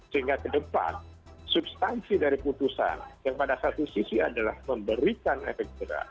sehingga ke depan substansi dari putusan yang pada satu sisi adalah memberikan efek jerah